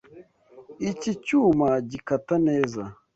Iki cyuma gikata neza.